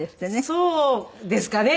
そうですかね？